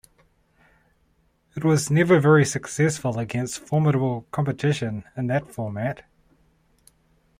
It was never very successful against formidable competition in that format.